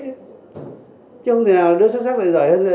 chứ không thể nào đứa sức sắc là giỏi hơn